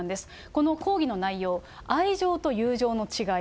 この講義の内容、愛情と友情の違い。